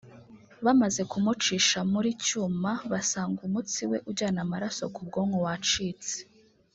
bamaze kumucisha muri cyuma basanga umutsi we ujyana amaraso ku bwonko wacitse”